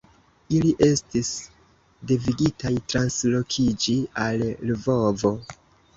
Ili estis devigitaj translokiĝi al Lvovo.